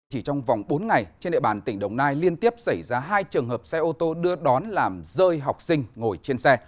chỉ trong vòng bốn ngày trên địa bàn tỉnh đồng nai liên tiếp xảy ra hai trường hợp xe ô tô đưa đón làm rơi học sinh ngồi trên xe